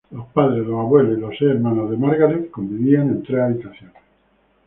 Los padres, los abuelos y los seis hermanos de Margaret, convivían en tres habitaciones.